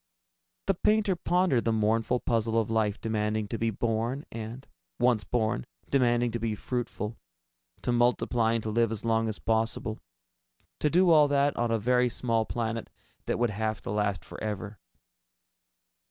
The painter pondered the mournful puzzle of life demanding to be born and, once born, demanding to be fruitful ... to multiply and to live as long as possible to do all that on a very small planet that would have to last forever.